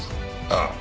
ああ。